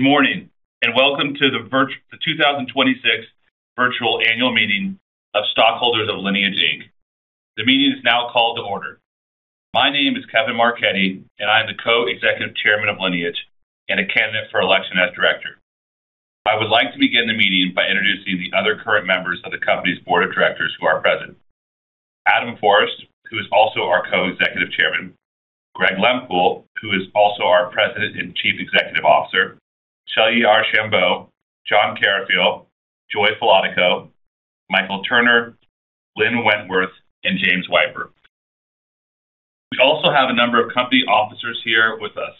Morning, welcome to the 2026 Virtual Annual Meeting of Stockholders of Lineage, Inc.. The meeting is now called to order. My name is Kevin Marchetti, I am the Co-Executive Chairman of Lineage and a candidate for election as Director. I would like to begin the meeting by introducing the other current members of the company's Board of Directors who are present. Adam Forste, who is also our Co-Executive Chairman, Greg Lehmkuhl, who is also our President and Chief Executive Officer, Shellye Archambeau, John Carrafiell, Joy Falotico, Michael Turner, Lynn Wentworth, and James Wyper. We also have a number of company officers here with us.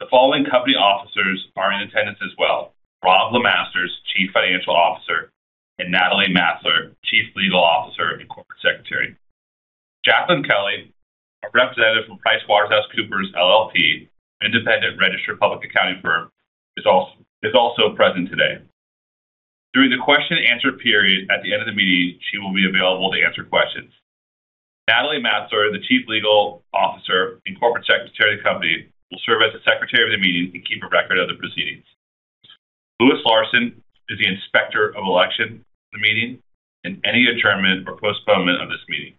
The following company officers are in attendance as well. Robb LeMasters, Chief Financial Officer, Natalie Matsler, Chief Legal Officer and Corporate Secretary. Jacqueline Kelly, a representative from PricewaterhouseCoopers LLP, independent registered public accounting firm, is also present today. During the question and answer period at the end of the meeting, she will be available to answer questions. Natalie Matsler, the Chief Legal Officer and Corporate Secretary to the company, will serve as the secretary of the meeting and keep a record of the proceedings. Lewis Larson is the Inspector of Election for the meeting and any adjournment or postponement of this meeting.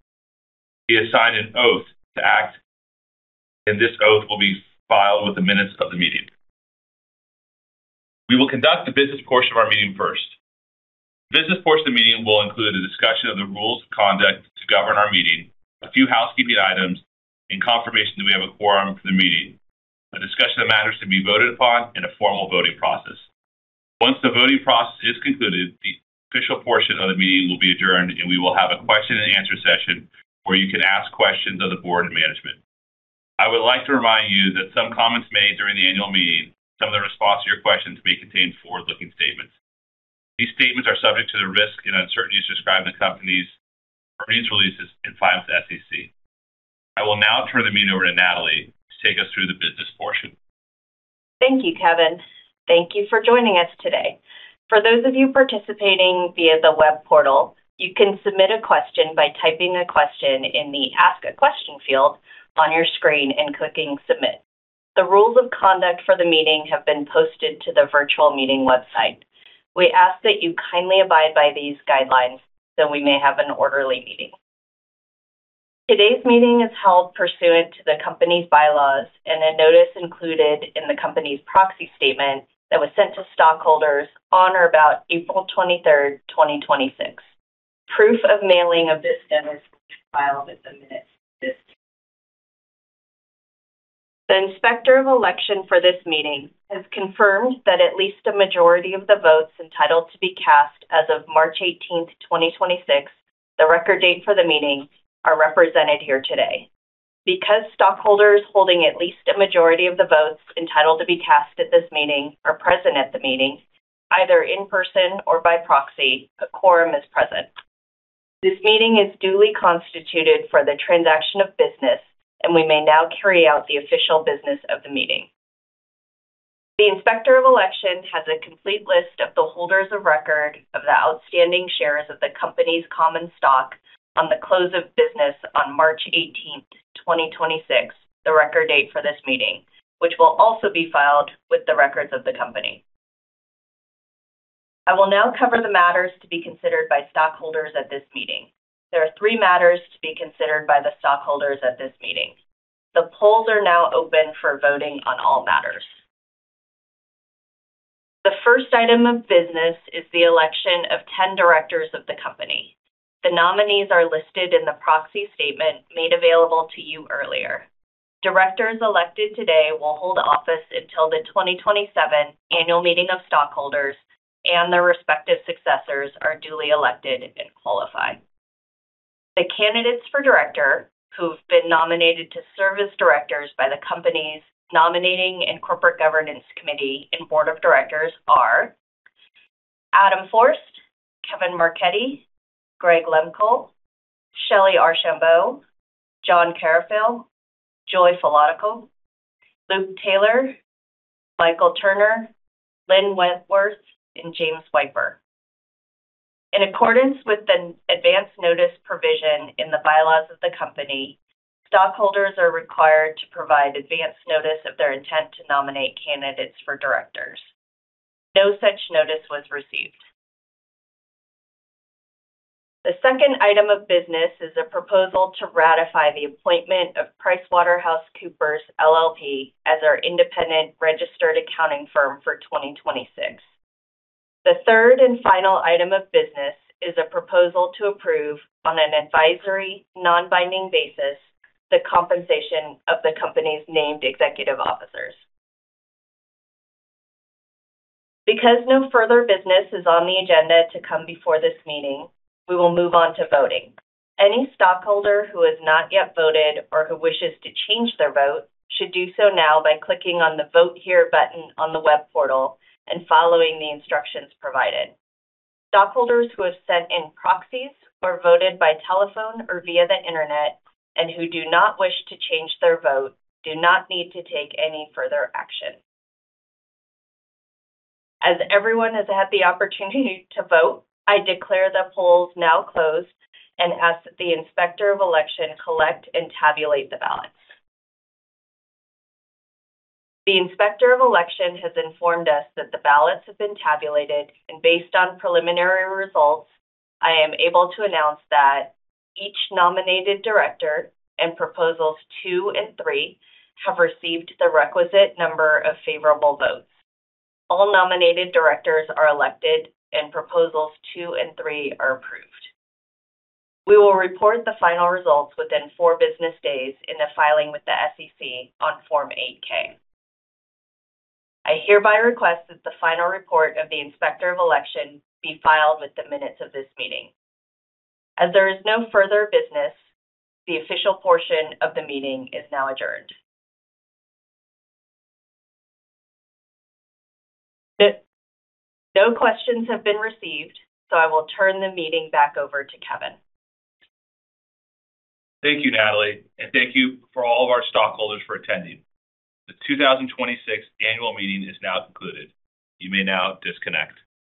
He has signed an oath to act, this oath will be filed with the minutes of the meeting. We will conduct the business portion of our meeting first. The business portion of the meeting will include a discussion of the rules of conduct to govern our meeting, a few housekeeping items, confirmation that we have a quorum for the meeting, a discussion of matters to be voted upon, and a formal voting process. Once the voting process is concluded, the official portion of the meeting will be adjourned, we will have a question and answer session where you can ask questions of the board and management. I would like to remind you that some comments made during the annual meeting, some of the response to your questions may contain forward-looking statements. These statements are subject to the risk and uncertainties described in the company's press releases filed with the SEC. I will now turn the meeting over to Natalie to take us through the business portion. Thank you, Kevin. Thank you for joining us today. For those of you participating via the web portal, you can submit a question by typing a question in the Ask a Question field on your screen and clicking Submit. The rules of conduct for the meeting have been posted to the virtual meeting website. We ask that you kindly abide by these guidelines so we may have an orderly meeting. Today's meeting is held pursuant to the company's bylaws a notice included in the company's proxy statement that was sent to stockholders on or about April 23rd, 2026. Proof of mailing of this notice will be filed with the minutes of this meeting. The Inspector of Election for this meeting has confirmed that at least a majority of the votes entitled to be cast as of March 18th, 2026, the record date for the meeting, are represented here today. Because stockholders holding at least a majority of the votes entitled to be cast at this meeting are present at the meeting, either in person or by proxy, a quorum is present. This meeting is duly constituted for the transaction of business, and we may now carry out the official business of the meeting. The Inspector of Election has a complete list of the holders of record of the outstanding shares of the company's common stock on the close of business on March 18th, 2026, the record date for this meeting, which will also be filed with the records of the company. I will now cover the matters to be considered by stockholders at this meeting. There are three matters to be considered by the stockholders at this meeting. The polls are now open for voting on all matters. The first item of business is the election of 10 directors of the company. The nominees are listed in the proxy statement made available to you earlier. Directors elected today will hold office until the 2027 Annual Meeting of Stockholders and their respective successors are duly elected and qualified. The candidates for director who have been nominated to serve as directors by the company's Nominating and Corporate Governance Committee and Board of Directors are Adam Forste, Kevin Marchetti, Greg Lehmkuhl, Shellye Archambeau, John Carrafiell, Joy Falotico, Luke Taylor, Michael Turner, Lynn Wentworth, and James Wyper. In accordance with the advance notice provision in the bylaws of the company, stockholders are required to provide advance notice of their intent to nominate candidates for directors. No such notice was received. The second item of business is a proposal to ratify the appointment of PricewaterhouseCoopers LLP as our independent registered accounting firm for 2026. The third and final item of business is a proposal to approve, on an advisory, non-binding basis, the compensation of the company's named executive officers. Because no further business is on the agenda to come before this meeting, we will move on to voting. Any stockholder who has not yet voted or who wishes to change their vote should do so now by clicking on the Vote Here button on the web portal and following the instructions provided. Stockholders who have sent in proxies or voted by telephone or via the internet and who do not wish to change their vote do not need to take any further action. As everyone has had the opportunity to vote, I declare the polls now closed and ask that the Inspector of Election collect and tabulate the ballots. The Inspector of Election has informed us that the ballots have been tabulated, and based on preliminary results, I am able to announce that each nominated director and proposals two and three have received the requisite number of favorable votes. All nominated directors are elected, and proposals two and three are approved. We will report the final results within four business days in the filing with the SEC on Form 8-K. I hereby request that the final report of the Inspector of Election be filed with the minutes of this meeting. As there is no further business, the official portion of the meeting is now adjourned. No questions have been received, so I will turn the meeting back over to Kevin. Thank you, Natalie, and thank you for all of our stockholders for attending. The 2026 annual meeting is now concluded. You may now disconnect.